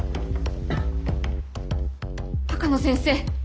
鷹野先生